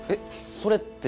それって？